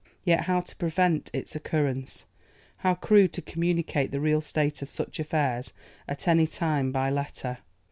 Yet how to prevent its occurrence? How crude to communicate the real state of such affairs at any time by letter!